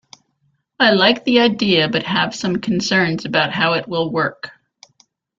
I like the idea but have some concerns about how it will work.